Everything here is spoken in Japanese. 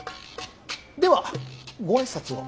ではご挨拶を。